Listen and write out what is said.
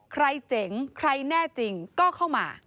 เจ๋งใครแน่จริงก็เข้ามา